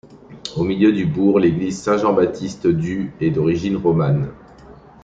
Au milieu du bourg, l'église Saint Jean-Baptiste du est d'origine romane.